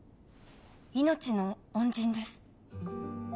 命の恩人です。